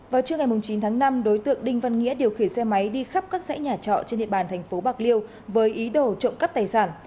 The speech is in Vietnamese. vào trưa ngày chín tháng năm đối tượng đinh văn nghĩa điều khiển xe máy đi khắp các dãy nhà trọ trên địa bàn tp bạc liêu với ý đồ trộm các tài sản